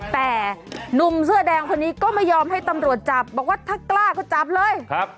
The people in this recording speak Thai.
แต่หนุ่มเสื้อแดงคนนี้ก็ไม่ยอมให้ตำรวจจับบอกว่าถ้ากล้าก็จับเลย